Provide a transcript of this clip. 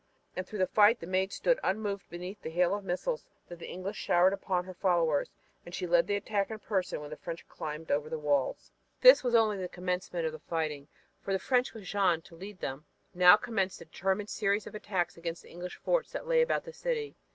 And through the fight the Maid stood unmoved beneath the hail of missiles that the English showered down upon her followers, and she led the attack in person when the French climbed over the walls. This was only the commencement of the fighting, for the French with Jeanne to lead them, now commenced a determined series of attacks against the English forts that lay about the city.